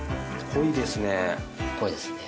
濃いですね。